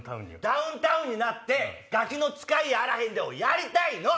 ダウンタウンになって『ガキの使いやあらへんで！』をやりたいの！